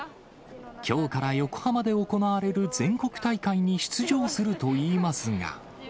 きょうから横浜で行われる全国大会に出場するといいますが。